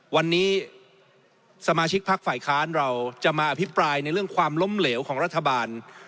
วันนี้สมาชิกพักฝ่ายค้านเราจะมาอภิปรายในเรื่องความล้มเหลวของรัฐบาล